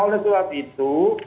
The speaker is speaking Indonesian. oleh sebab itu